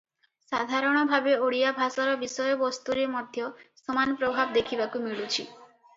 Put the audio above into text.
ସାଧାରଣ ଭାବେ ଓଡ଼ିଆ ଭାଷାର ବିଷୟବସ୍ତୁରେ ମଧ୍ୟ ସମାନ ପ୍ରଭାବ ଦେଖିବାକୁ ମିଳୁଛି ।